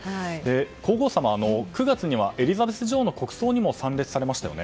皇后さまは９月にはエリザベス女王の国葬にも参列されましたよね？